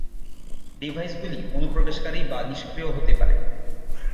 ডিভাইসগুলি অনুপ্রবেশকারী বা নিষ্ক্রিয় হতে পারে।